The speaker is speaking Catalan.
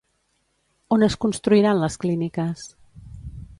On es construiran les clíniques?